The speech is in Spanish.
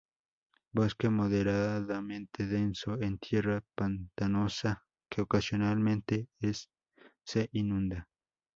Bosque moderadamente denso en tierra pantanosa, que ocasionalmente se inunda.